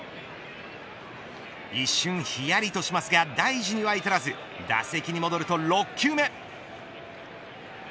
一瞬ひやりとしますが大事には至らず打席に戻ると、６球目。